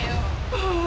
ああ